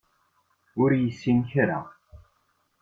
Ur yessin kra.